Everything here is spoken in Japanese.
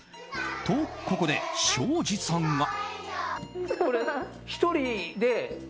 と、ここで、庄司さんが。